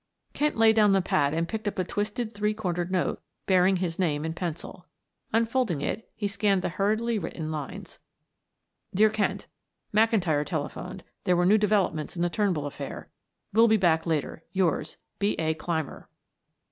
Kent laid down the pad and picked up a twisted three cornered note bearing his name in pencil. Unfolding it, he scanned the hurriedly written lines: "Dear Kent McIntyre telephoned there were new developments in the Turnbull affair. Will be back later. "Yours "B. A. CLYMER."